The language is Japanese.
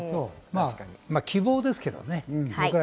まぁ、希望ですけどね。